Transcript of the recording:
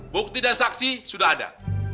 bukti dan saksi sudah ada